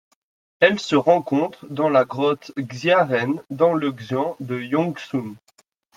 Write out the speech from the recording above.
Elle se rencontre dans la grotte Xianren dans le xian de Yongshun.